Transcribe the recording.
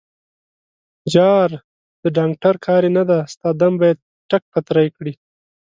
_جار، د ډانګټر کار يې نه دی، ستا دم به يې ټک پتری کړي.